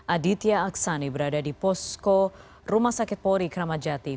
aditya aksani berada di posko rumah sakit polri kramadjati